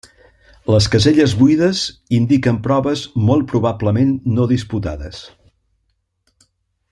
Les caselles buides indiquen proves molt probablement no disputades.